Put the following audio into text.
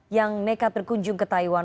yang nekat berkunjung ke taiwan